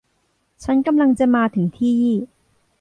ฉันกำลังจะมาถึงที่